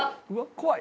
怖い！